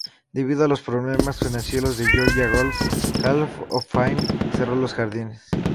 Debido a problemas financieros, el "Georgia Golf Hall of Fame" cerró los jardines.